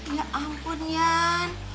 ya ampun yan